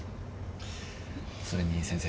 それに先生